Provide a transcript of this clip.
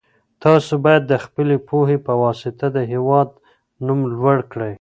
تاسو بايد د خپلي پوهي په واسطه د هېواد نوم لوړ کړئ.